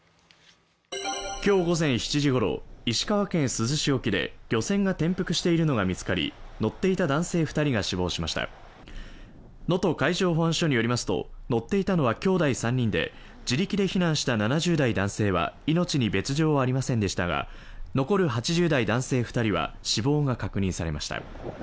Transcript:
今日午前７時ごろ、石川県珠洲市沖で、漁船が転覆しているのが見つかり乗っていた男性２人が死亡しました能登海上保安署によりますと、乗っていたのは兄弟３人で自力で避難した７０代男性は命に別状はありませんでしたが残り８０代男性２人は死亡が確認されました。